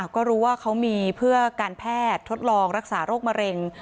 ก็รู้ว่าเขามีเพื่อการแพทย์ทดลองรักษาโรคมะเร็ง